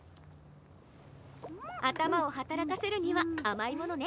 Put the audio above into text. あたまをはたらかせるにはあまいものね。